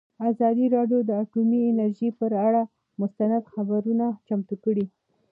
ازادي راډیو د اټومي انرژي پر اړه مستند خپرونه چمتو کړې.